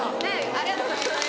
ありがとうございます